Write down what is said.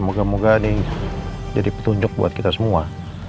moga moga ini jadi petunjuk buat kita semua